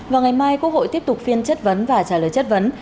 vào ngày mai quốc hội tiếp tục phiên chất vấn và trả lời chất vấn